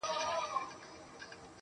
د ژوند څلورو دقيقو ته چي سجده وکړه,